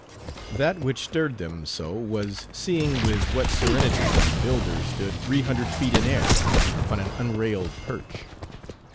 That which stirred them so was, seeing with what serenity the builder stood three hundred feet in air, upon an unrailed perch.